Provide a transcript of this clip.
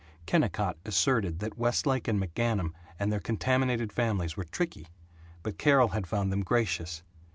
Kennicott asserted that Westlake and McGanum and their contaminated families were tricky, but Carol had found them gracious.